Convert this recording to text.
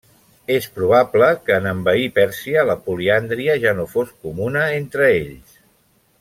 És probable que, en envair Pèrsia, la poliàndria ja no fos comuna entre ells.